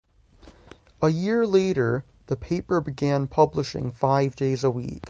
A year later, the paper began publishing five days a week.